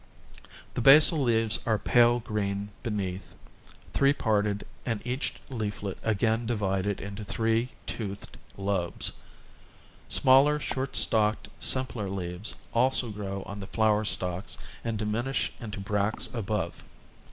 The basal leaves are pale green beneath, three parted and each leaflet again divided into three, toothed lobes; smaller, short stalked, simpler leaves also grow on the flower stalks and diminish into bracts above.